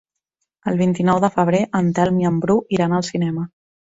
El vint-i-nou de febrer en Telm i en Bru iran al cinema.